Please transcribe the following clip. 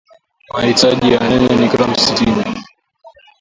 mahitaji ya nyanya ni gram sitini